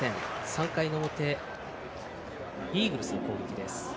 ３回の表、イーグルスの攻撃です。